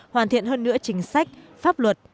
hoàn thiện hơn nữa chính sách pháp luật